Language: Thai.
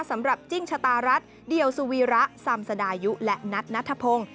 สำหรับจิ้งชะตารัสเดียวสุวีระซามสดายุและนัทนัทภพง